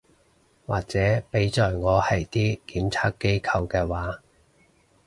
或者畀在我係啲檢測機構嘅話